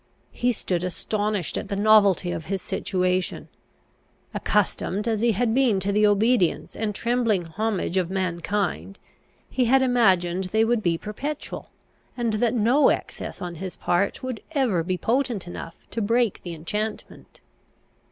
He stood astonished at the novelty of his situation. Accustomed as he had been to the obedience and trembling homage of mankind, he had imagined they would be perpetual, and that no excess on his part would ever be potent enough to break the enchantment.